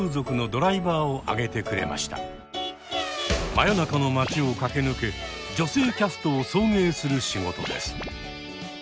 真夜中の街を駆け抜け女性キャストを送迎する仕事です。